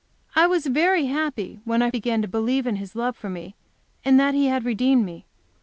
I was very happy when I began to believe in His love for me, and that He had redeemed me.